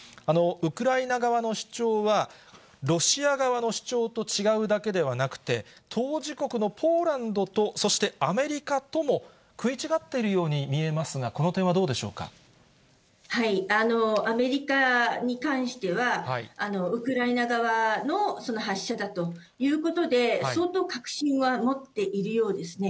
ウクライナ側の主張はロシア側の主張と違うだけではなくて、当事国のポーランドとそして、アメリカとも食い違っているように見えますが、この点はどうでしアメリカに関しては、ウクライナ側の発射だということで、相当確信は持っているようですね。